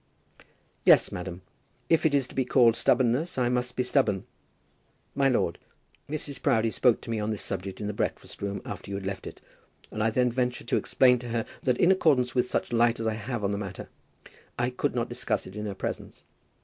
"Yes, madam; if it is to be called stubbornness, I must be stubborn. My lord, Mrs. Proudie spoke to me on this subject in the breakfast room after you had left it, and I then ventured to explain to her that in accordance with such light as I have on the matter, I could not discuss it in her presence.